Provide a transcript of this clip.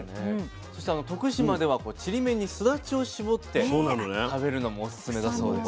そして徳島ではちりめんにすだちを搾って食べるのもおすすめだそうです。